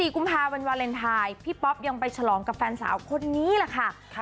กุมภาวันวาเลนไทยพี่ป๊อปยังไปฉลองกับแฟนสาวคนนี้แหละค่ะ